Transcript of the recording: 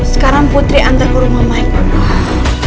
sekarang putri antar ke rumah mike